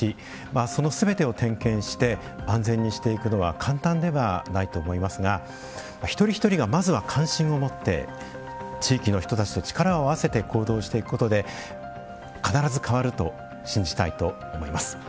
そのすべてを点検して安全にしていくのは簡単ではないと思いますが一人一人がまずは関心を持って地域の人たちと力を合わせて行動していくことで必ず変わると信じたいと思います。